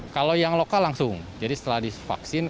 kalau yang lokal langsung jadi setelah divaksin